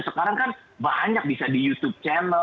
sekarang kan banyak bisa di youtube channel